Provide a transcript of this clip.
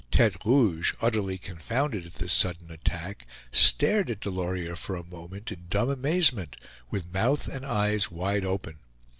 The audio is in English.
Tete Rouge, utterly confounded at this sudden attack, stared at Delorier for a moment in dumb amazement, with mouth and eyes wide open.